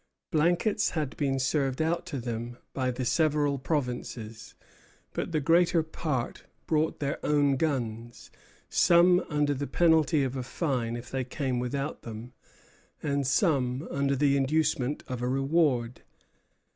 Blankets had been served out to them by the several provinces, but the greater part brought their own guns; some under the penalty of a fine if they came without them, and some under the inducement of a reward.